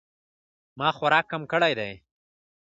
ما خوراک کم کړی دی